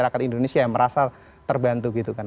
masyarakat indonesia yang merasa terbantu